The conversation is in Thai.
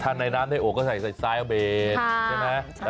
ถ้าในน้ำได้โอกก็ใส่ใส่เอาเบนใช่ไหมใช่